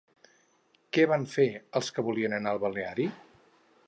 Què van fer els que volien anar al balneari?